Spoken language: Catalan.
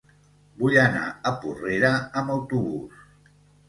Vull anar a Porrera amb autobús.